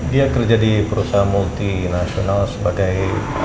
dia kerja di perusahaan multi nasional sebagai